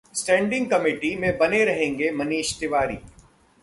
standing committee में बने रहेंगे मनीष तिवारी